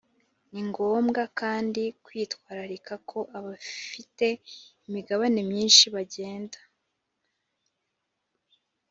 ni ngombwa kandi kwitwararika ko abafite imigabane myinshi bagenda